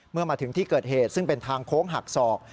เมื่อมาถึงที่เกิดเหตุซึ่งเป็นทางโค้งหักศอก